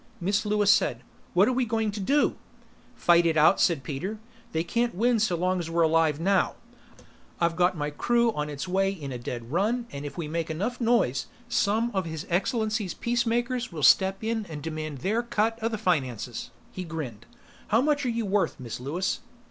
Miss Lewis said, "What are we going to do?" "Fight it out," said Peter. "They can't win so long as we're alive now. I've got my crew on its way in a dead run, and if we make enough noise, some of His Excellency's Peacemakers will step in and demand their cut of the finances." He grinned. "How much are you worth, Miss Lewis?"